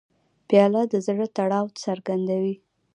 پیاله د زړه تړاو څرګندوي.